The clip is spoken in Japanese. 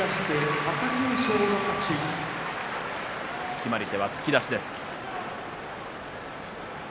決まり手は突き出しです。